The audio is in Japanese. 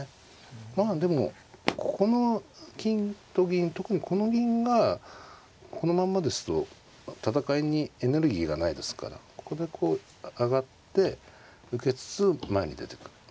まあでもここの金と銀特にこの銀がこのまんまですと戦いにエネルギーがないですからここでこう上がって受けつつ前に出てく。